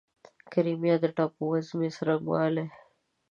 د کریمیا د ټاپووزمې څرنګوالی